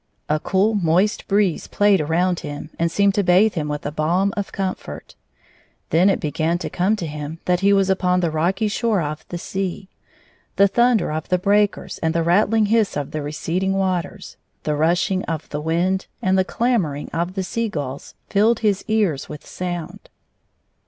A cool, moist breeze played around him, and seemed to bathe him with a balm of com fort. Then it began to come to him that he was upon the rocky shore of the sea. The thunder of the breakers and ^e rattUng liiss of the receding waters, the rushing of the wind, and the clamor ing of the sea gulls, filled his ears with sound.